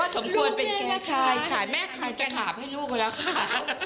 ว่าสมควรเป็นแก๊งใช่แม่จะขาบให้ลูกละค่ะ